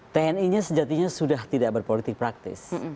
tni nya sejatinya sudah tidak berpolitik praktis